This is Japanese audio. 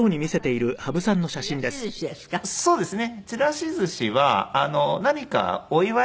そうですか。